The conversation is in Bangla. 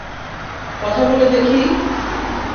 কথা বলে দেখি?